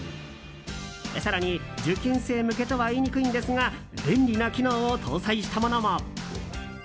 更に、受験生向けとは言いにくいんですが便利な機能を搭載したものも。